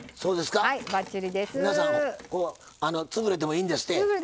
皆さん潰れてもいいんですって。